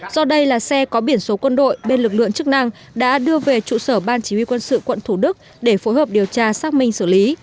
do đây là xe có biển số quân đội bên lực lượng chức năng đã đưa về trụ sở ban chỉ huy quân sự quận thủ đức để phối hợp điều tra xác minh xử lý